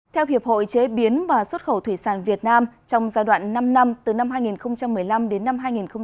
theo hiệp hội chế biến và xuất khẩu thủy sản việt nam trong giai đoạn năm năm từ năm hai nghìn một mươi năm đến năm hai nghìn một mươi chín